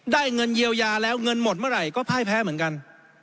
เงินเยียวยาแล้วเงินหมดเมื่อไหร่ก็พ่ายแพ้เหมือนกัน